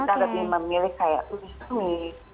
kita lebih memilih kayak uli umi